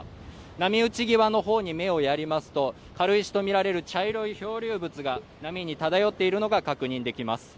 波打ち際のほうに目をやりますと軽石とみられる茶色い漂流物が漂っているのが確認できます